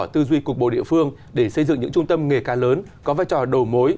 tư duy cục bộ địa phương để xây dựng những trung tâm nghề ca lớn có vai trò đầu mối